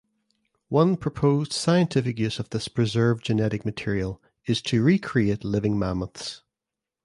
One proposed scientific use of this preserved genetic material is to recreate living mammoths.